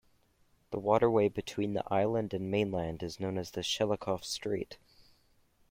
The waterway between the island and mainland is known as the Shelikof Strait.